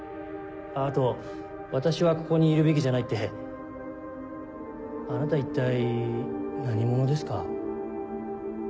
あと「私はここにいるべきじゃない」ってあなた一体何者ですか？